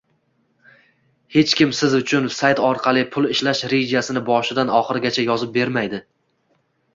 Hech kim Siz uchun sayt orqali pul ishlash rejasini boshidan oxirigacha yozib bermaydi